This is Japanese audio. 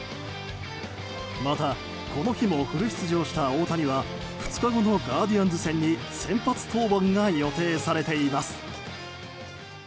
また、この日もフル出場した大谷は２日後のガーディアンズ戦に先発登板が予定されています。